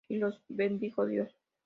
Y los bendijo Dios.